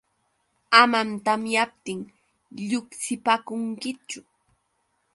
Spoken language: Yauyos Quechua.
Amam tamyaptin lluqsipaakunkichu.